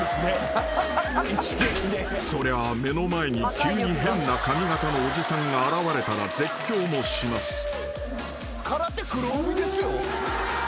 ［そりゃ目の前に急に変な髪形のおじさんが現れたら絶叫もします］